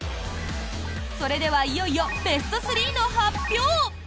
それではいよいよベスト３の発表！